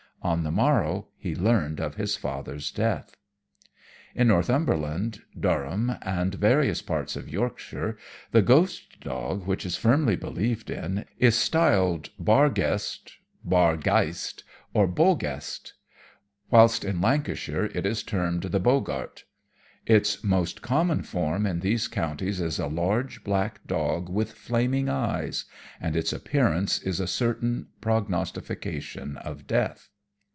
On the morrow, he learned of his father's death. In Northumberland, Durham, and various parts of Yorkshire, the ghost dog, which is firmly believed in, is styled Barguest, Bahrgeist, or Boguest; whilst in Lancashire it is termed the Boggart. Its most common form in these counties is a large, black dog with flaming eyes; and its appearance is a certain prognostication of death.